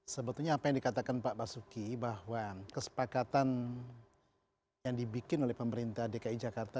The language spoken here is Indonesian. sebetulnya apa yang dikatakan pak basuki bahwa kesepakatan yang dibikin oleh pemerintah dki jakarta